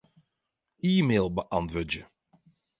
E-mail beäntwurdzje.